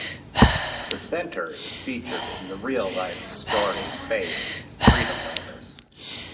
The center is featured in the real-life-story-based Freedom Writers.